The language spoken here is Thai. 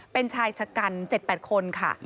เป็นชายชะกัน๗๘คนค่ะ